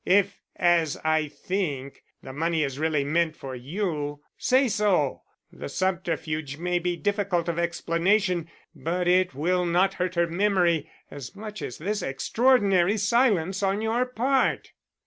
If, as I think, the money is really meant for you, say so. The subterfuge may be difficult of explanation, but it will not hurt her memory as much as this extraordinary silence on your part."